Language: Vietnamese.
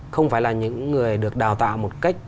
không phải là những người được đào tạo một cách